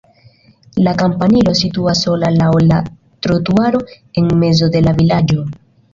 La kampanilo situas sola laŭ la trotuaro en mezo de la vilaĝo.